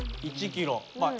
１キロ。